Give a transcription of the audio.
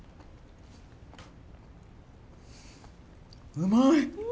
うまい！